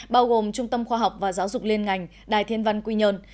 bao gồm trung tâm khoa học và giáo dục liên ngành đài thiên văn quy nhơn